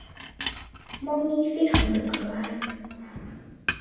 猫咪非常的可爱。